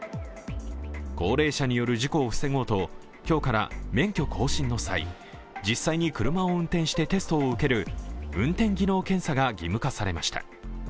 高齢者による事故を防ごうと今日から免許更新の際実際に車を運転してテストを受ける運転技能検査が義務化されました。